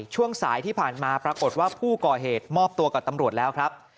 ช่วงสายที่ผ่านมาปรากฏว่าผู้ก่อเหตุมอบตัวกับตำรวจแล้วครับ